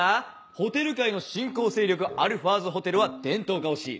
ホテル界の新興勢力アルファーズホテルは伝統が欲しい。